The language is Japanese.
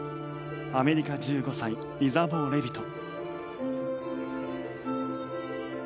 アメリカ１５歳イザボー・レビト。